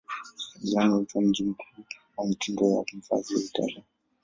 Milano huitwa mji mkuu wa mitindo ya mavazi ya Italia.